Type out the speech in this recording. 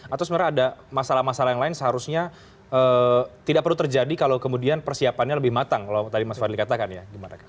atau sebenarnya ada masalah masalah yang lain seharusnya tidak perlu terjadi kalau kemudian persiapannya lebih matang kalau tadi mas fadli katakan ya gimana